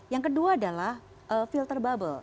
yang kedua adalah filter bubble